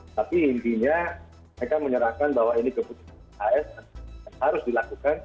tapi intinya mereka menyerahkan bahwa ini keputusan as harus dilakukan